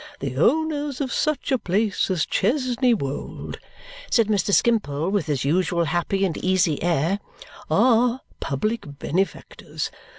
The owners of such places as Chesney Wold," said Mr. Skimpole with his usual happy and easy air, "are public benefactors.